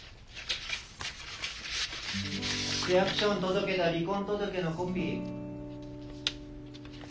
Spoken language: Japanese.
・区役所に届けた離婚届のコピー。